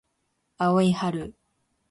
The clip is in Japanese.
青い春